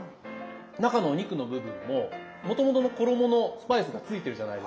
中のお肉の部分ももともとの衣のスパイスがついてるじゃないですか。